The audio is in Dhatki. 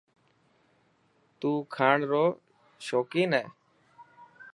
تون کاڻ رو شوڪين هي؟